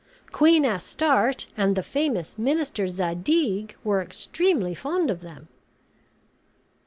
Queen Astarte and the famous minister Zadig were extremely fond of them."